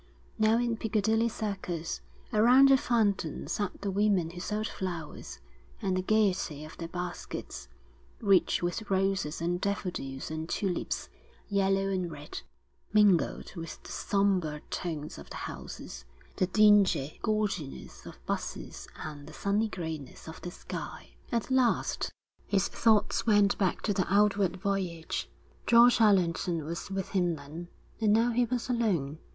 Now in Piccadilly Circus, around the fountain sat the women who sold flowers; and the gaiety of their baskets, rich with roses and daffodils and tulips, yellow and red, mingled with the sombre tones of the houses, the dingy gaudiness of 'buses and the sunny greyness of the sky. At last his thoughts went back to the outward voyage. George Allerton was with him then, and now he was alone.